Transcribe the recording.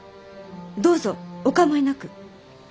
どうぞお構いなく。